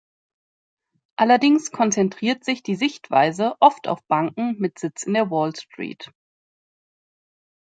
Allerdings konzentriert sich die Sichtweise oft auf Banken mit Sitz in der Wall Street.